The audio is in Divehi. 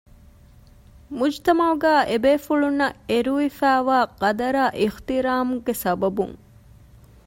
މުޖުތަމަޢުގައި އެ ބޭފުޅުންނަށް އެރުވިފައިވާ ޤަދަރާއި އިޙުތިރާމުގެ ސަބަބުން